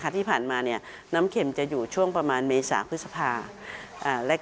ที่ผ่านมาน้ำเข็มจะอยู่ช่วงประมาณเมษาพฤษภา